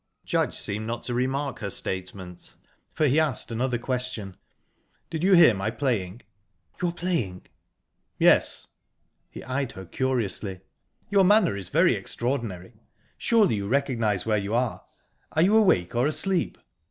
Judge seemed not to remark her statement, for he asked another question: "Did you hear my playing?" "Your playing?" "Yes."...He eyed her curiously. "Your manner is very extraordinary. Surely you recognise where you are? Are you awake or asleep?"